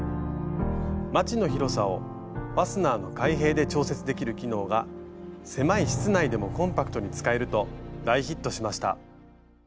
マチの広さをファスナーの開閉で調節できる機能が狭い室内でもコンパクトに使えると大ヒットしました。